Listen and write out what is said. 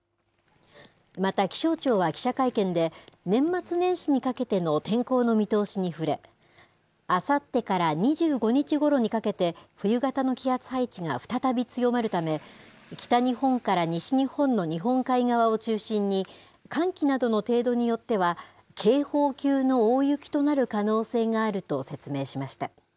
また気象庁は記者会見で、年末年始にかけての天候の見通しに触れ、あさってから２５日ごろにかけて、冬型の気圧配置が再び強まるため、北日本から西日本の日本海側を中心に、寒気などの程度によっては、警報級の大雪となる可能性があると説明しました。